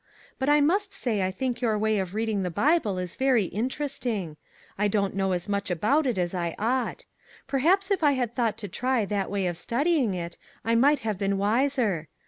But I must say I think your way of reading the Bible is very interesting. I don't know as much about it as I ought. Perhaps if I had thought to try that way of studying it, I might have been wiser.